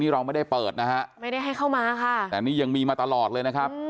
เราไม่ได้เปิดนะฮะไม่ได้ให้เข้ามาค่ะแต่นี่ยังมีมาตลอดเลยนะครับ